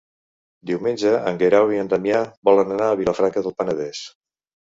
Diumenge en Guerau i en Damià volen anar a Vilafranca del Penedès.